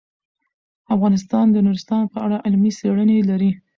افغانستان د نورستان په اړه علمي څېړنې لري.